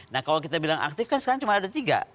nah kalau kita bilang aktif kan sekarang cuma ada tiga